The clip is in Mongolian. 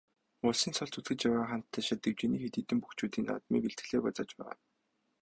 Улсын цолд зүтгэж яваа Хантайшир дэвжээний хэд хэдэн бөхчүүд наадмын бэлтгэлээ базааж байгаа.